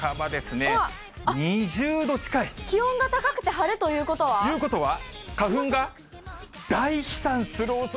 気温が高くて晴れということということは。